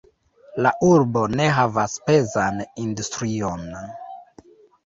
La urbo ne havas pezan industrion.